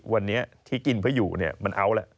วันที่กินเพื่ออยู่มันเอาแล้ว